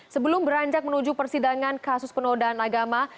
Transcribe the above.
sebelum beranjak menuju persidangan kasus penodaan agama